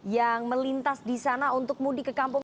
yang melintas di sana untuk mudik ke kampung